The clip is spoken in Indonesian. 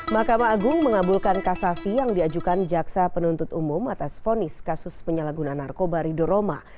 mahkamah agung mengabulkan kasasi yang diajukan jaksa penuntut umum atas vonis kasus penyalahgunaan narkoba rido roma